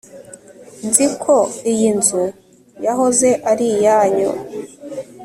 nzi ko iyi nzu yahoze ari iyanyu